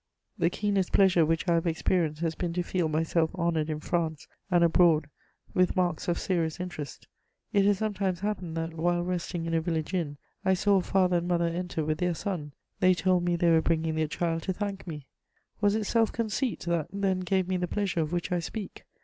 The keenest pleasure which I have experienced has been to feel myself honoured in France and abroad with marks of serious interest. It has sometimes happened that, while resting in a village inn, I saw a father and mother enter with their son: they told me they were bringing their child to thank me. Was it self conceit that then gave me the pleasure of which I speak?